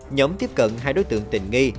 nhóm tiếp cận hai đối tượng tình nghi